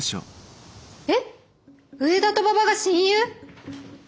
えっ上田と馬場が親友！？